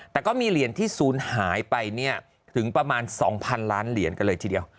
แต่ก็มีเหรียญที่ศูนย์หายไปถึงประมาณ๒๐๐๐ล้านเหรียญกันเลยทีเดียว